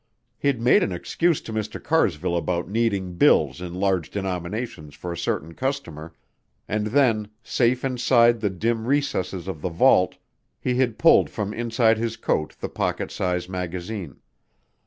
He'd made an excuse to Mr. Carsville about needing bills in large denominations for a certain customer, and then, safe inside the dim recesses of the vault he had pulled from inside his coat the pocket size magazine.